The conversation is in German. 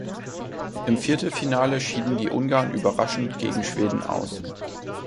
Im Viertelfinale schieden die Ungarn überraschend gegen Schweden aus.